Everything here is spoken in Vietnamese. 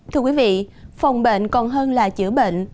thưa quý vị phòng bệnh còn hơn là chữa bệnh